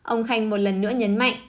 ông khanh một lần nữa nhấn mạnh